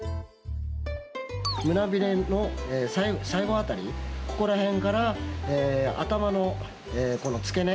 胸びれの最後辺りここら辺から頭のこの付け根。